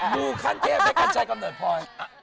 ดูคันเทพให้กันใช่กำหนดพอ